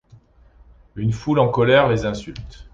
Une foule en colère les insulte.